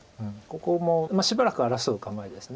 ここもしばらく争う構えです。